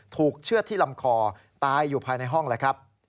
เชื่อดที่ลำคอตายอยู่ภายในห้องเลยครับ